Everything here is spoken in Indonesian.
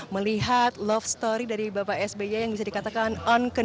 melihat love story dari bapak sby yang bisa dikatakan oncon